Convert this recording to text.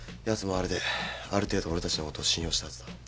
やつもあれである程度俺たちのことを信用したはずだ。